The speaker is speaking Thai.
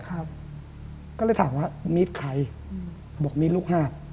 ก็เลยถามว่ามีดใครอืมบอกมีดลูกห้า